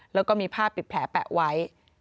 แล้วก็มีผ้าปิดแผลแปะไว้